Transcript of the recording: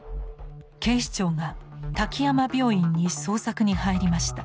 警視庁が滝山病院に捜索に入りました。